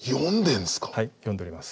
はい読んでおります。